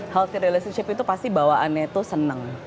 healthy relationship itu pasti bawaannya itu seneng